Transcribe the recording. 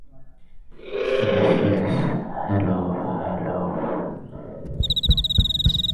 She operated in the Great Lakes area for the duration of her service.